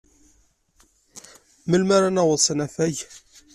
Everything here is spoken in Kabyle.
Melmi ara naweḍ s anafag?